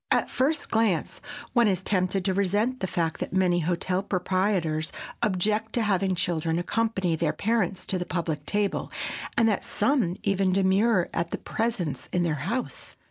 At the first glance one is tempted to resent the fact that many hotel proprietors object to having children accompany their parents to the public table, and that some even demur at their presence in the house.